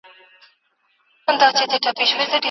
په دې خیریه بنسټ کي له اړمنو خلکو سره مرسته کېږي.